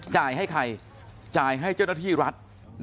จ่ายให้ใครจ่ายให้เจ้าหน้าที่รัฐ